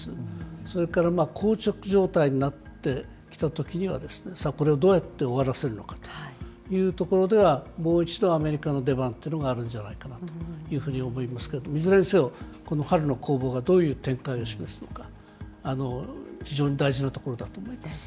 それから硬直状態になってきたときには、さあ、これをどうやって終わらせるのかというところでは、もう一度、アメリカの出番っていうのがあるんじゃないかなと思いますけど、いずれにせよ、この春の攻防がどういう展開を示すのか、非常に大大事なところ。